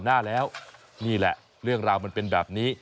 หน้าแล้วนี่แหละเรื่องราวมันเป็นแบบนี้